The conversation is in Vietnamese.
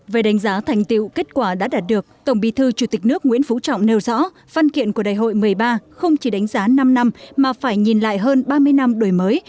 về đánh giá thành tiệu kết quả đã đạt được tổng bí thư chủ tịch nước nguyễn phú trọng nêu rõ văn kiện của đại hội một mươi ba không chỉ đánh giá năm năm mà phải nhìn lại hơn ba mươi năm đổi mới